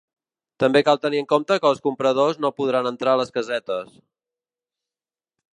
També cal tenir en compte que els compradors no podran entrar a les casetes.